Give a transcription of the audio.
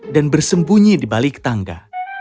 dan bersembunyi di balik tangga